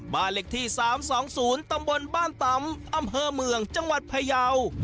บ้านเลขที่๓๒๐ตำบลบ้านตำอำเภอเมืองจังหวัดพยาว